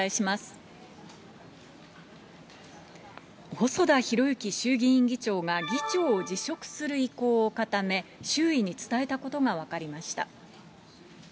細田博之衆議院議長が議長を辞職する意向を固め、周囲に伝えたことが分かりました。